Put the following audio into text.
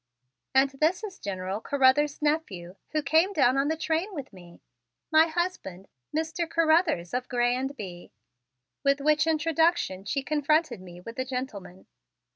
"And this is General Carruthers' nephew who came down on the train with me. My husband, Mr. Carruthers of Grez and Bye!" with which introduction she confronted me with the gentleman.